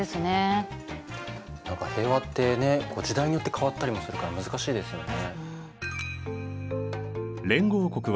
何か平和ってね時代によって変わったりもするから難しいですよね。